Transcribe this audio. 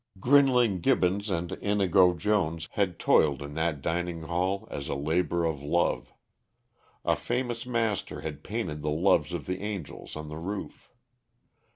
Grinling Gibbons and Inigo Jones had toiled in that dining hall as a labor of love; a famous master had painted the loves of the angels on the roof.